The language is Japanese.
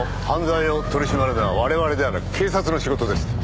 犯罪を取り締まるのは我々ではなく警察の仕事です。